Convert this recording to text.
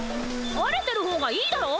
晴れてる方がいいだろ！